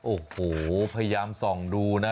โอ้โหพยายามส่องดูนะ